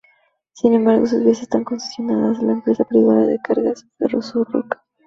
Sin embargo sus vías están concesionadas a la empresa privada de cargas Ferrosur Roca.